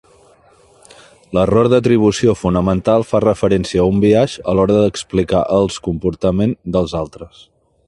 L'error d'atribució fonamental fa referència a un biaix a l'hora d'explicar els comportament dels altres.